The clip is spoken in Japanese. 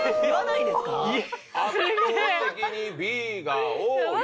圧倒的にＢが多い。